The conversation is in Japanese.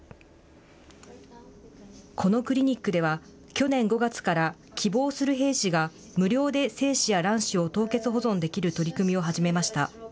このクリニックでは、去年５月から希望する兵士が無料で精子や卵子を凍結保存できる取り組みを始めました。